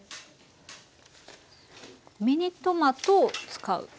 ミニトマトを使う。